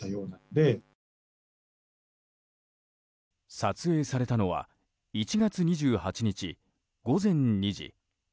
撮影されたのは１月２８日午前２時。